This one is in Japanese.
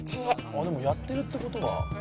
「あっでもやってるって事は」